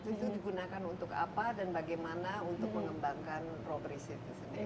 itu digunakan untuk apa dan bagaimana untuk mengembangkan probres itu sendiri